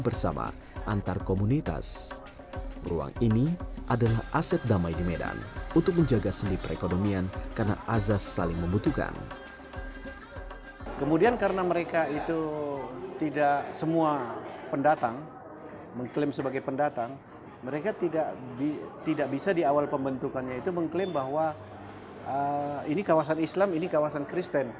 pendatang mengklaim sebagai pendatang mereka tidak bisa di awal pembentukannya itu mengklaim bahwa ini kawasan islam ini kawasan kristen